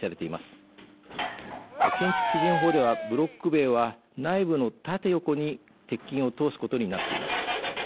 建築基準法ではブロック塀は内部の縦横に鉄筋を通すことになっています。